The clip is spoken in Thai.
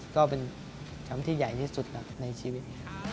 ก็เป็นแชมป์ที่ใหญ่ที่สุดในชีวิต